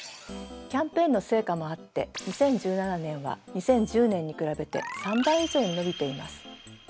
キャンペーンの成果もあって２０１７年は２０１０年に比べて３倍以上に伸びています。